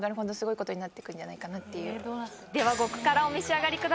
では極辛お召し上がりください。